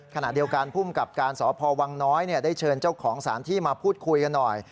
ขณะเดียวกันภูมิกับการสพวังน้อยได้เชิญเจ้าของสารที่มาพูดคุยกันหน่อย